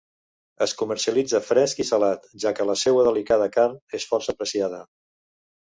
Es comercialitza fresc i salat, ja que la seua delicada carn és força apreciada.